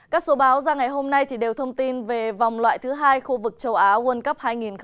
các số báo ra ngày hôm nay đều thông tin về vòng loại thứ hai khu vực châu á world cup hai nghìn hai mươi